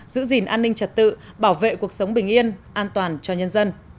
giữ gìn an ninh trật tự bảo vệ cuộc sống bình yên an toàn cho nhân dân